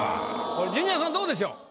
これジュニアさんどうでしょう？